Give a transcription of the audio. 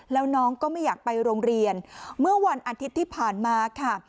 แล้วน้องก็ไม่อยากไปโรงเรียนเมื่อวันอาทิตย์ที่ผ่านมาค่ะ